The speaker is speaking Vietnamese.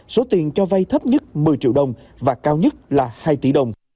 số tiền cho vay thấp nhất một mươi triệu đồng và cao nhất là hai tỷ đồng